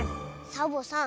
サボさん